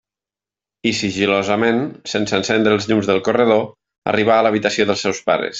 I sigil·losament, sense encendre els llums del corredor, arribà a l'habitació dels seus pares.